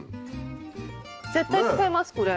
絶対使いますこれ。